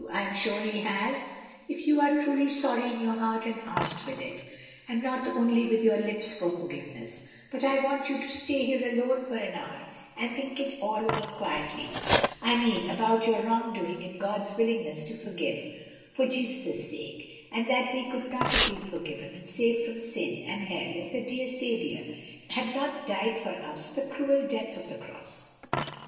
I am sure He has if you are truly sorry in your heart and asked with it, and not only with your lips, for forgiveness; but I want you to stay here alone for an hour and think it all over quietly, I mean about your wrongdoing and God's willingness to forgive for Jesus' sake, and that we could not have been forgiven and saved from sin and hell if the dear Saviour had not died for us the cruel death of the cross.